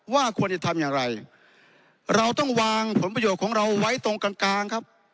ว่าควรจะทำอย่างไรเราต้องวางผลประโยชน์ของเราไว้ตรงกลางครับ